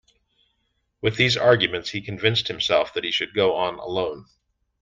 With these arguments he convinced himself that he should go on alone.